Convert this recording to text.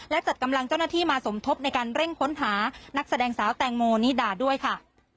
และจัดกำลังเจ้าหน้าที่มาสมทบในการเร่งค้นหานักแสดงสาวแตงโมนิดาด้วยค่ะ